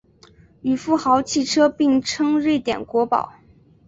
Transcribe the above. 与富豪汽车并称瑞典国宝。